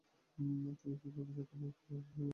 তিনি ফিফা'র প্রতিষ্ঠাতা সদস্য ছিলেন।